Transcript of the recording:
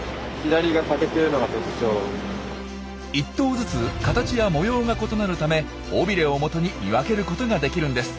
１頭ずつ形や模様が異なるため尾ビレをもとに見分けることができるんです。